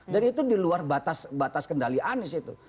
dan itu di luar batas kendali anies itu